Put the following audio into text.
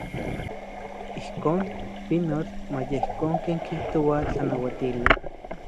Ijkon, pinotl, maya ijkon ken kijtoa tlanauatili.